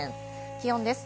気温です。